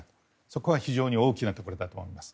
そこは非常に大きなところだと思います。